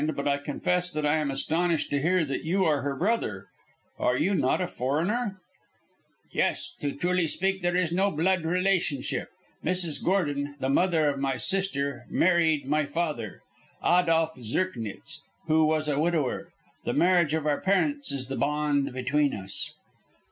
But I confess that I am astonished to hear that you are her brother. Are you not a foreigner?" "Yes, to speak truly there is no blood relationship. Mrs. Gordon, the mother of my sister, married my father, Adolph Zirknitz, who was a widower. The marriage of our parents is the bond between us."